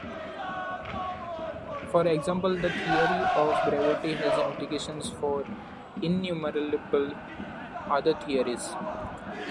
For example, the theory of gravity has implications for innumerable other theories.